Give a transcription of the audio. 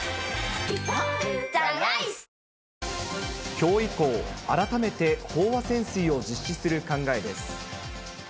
きょう以降、改めて飽和潜水を実施する考えです。